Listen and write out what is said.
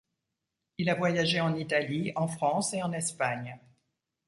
Il a voyagé en Italie, en France et en Espagne.